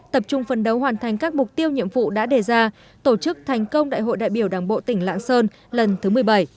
tập trung phân đấu hoàn thành các mục tiêu nhiệm vụ đã đề ra tổ chức thành công đại hội đại biểu đảng bộ tỉnh lạng sơn lần thứ một mươi bảy